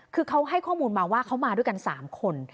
คือเขาให้ข้อมูลมาว่าเขามาด้วยกัน๓คน